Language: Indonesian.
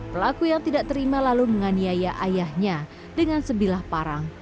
pelaku yang tidak terima lalu menganiaya ayahnya dengan sebilah parang